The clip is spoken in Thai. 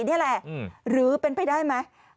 นี่แหละหรือเป็นไปได้ไหม